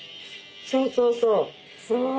そうそうそう。